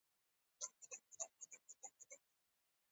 د مې میاشتې پر پینځمه له کومې هوکړې پرته پای ته ورسېده.